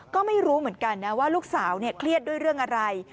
ก็ไม่รู้เหมือนกันนะว่าลูกสาวเครียดด้วยเรื่องอะไร